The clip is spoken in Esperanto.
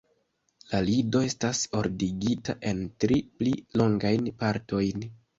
La lido estas ordigita en tri pli longajn partojn.